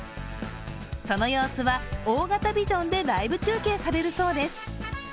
その様子は、大型ビジョンでライブ中継されるそうです。